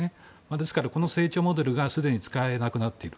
ですから、この成長モデルがすでに使えなくなっている。